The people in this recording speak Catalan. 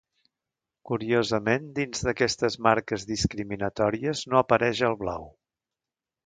Curiosament dins d'aquestes marques discriminatòries no apareix el blau.